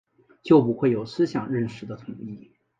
就不会有思想认识的统一